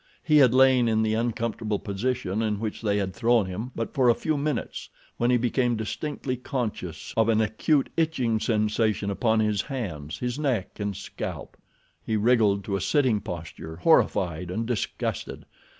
He had lain in the uncomfortable position in which they had thrown him but for a few minutes when he became distinctly conscious of an acute itching sensation upon his hands, his neck and scalp. He wriggled to a sitting posture horrified and disgusted.